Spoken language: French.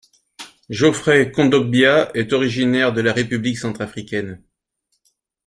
Geoffrey Kondogbia est originaire de la République centrafricaine.